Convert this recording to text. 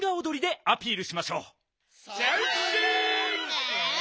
え！